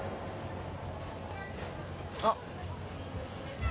あっ。